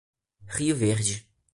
Rio Verde